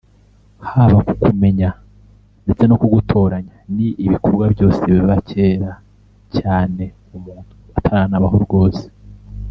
haba kukumenya ndetse no kugutoranya ni ibikorwa byose biba kera cyane umuntu ataranabaho rwose